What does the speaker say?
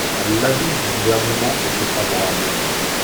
L’avis du Gouvernement est défavorable.